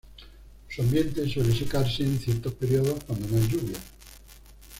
Su ambiente suele secarse en ciertos periodos cuando no hay lluvias.